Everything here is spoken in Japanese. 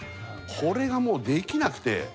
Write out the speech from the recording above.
これが、もうできなくて。